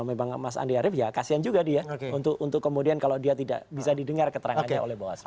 memang mas andi arief ya kasian juga dia untuk kemudian kalau dia tidak bisa didengar keterangannya oleh bawaslu